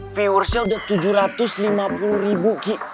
viewernya udah tujuh ratus lima puluh ribu ki